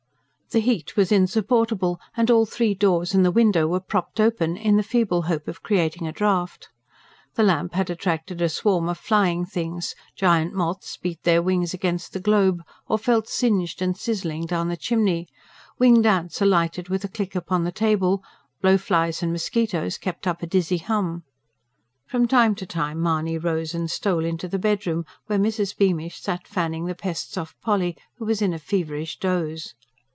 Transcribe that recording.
The heat was insupportable and all three doors and the window were propped open, in the feeble hope of creating a draught. The lamp had attracted a swarm of flying things: giant moths beat their wings against the globe, or fell singed and sizzling down the chimney; winged ants alighted with a click upon the table; blowflies and mosquitoes kept up a dizzy hum. From time to time Mahony rose and stole into the bedroom, where Mrs. Beamish sat fanning the pests off Polly, who was in a feverish doze.